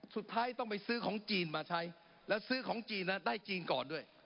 สุดท้ายต้องไปซื้อของจีนมาใช้แล้วซื้อของจีนได้จีนก่อนด้วย